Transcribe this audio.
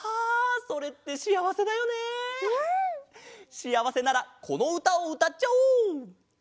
しあわせならこのうたをうたっちゃおう！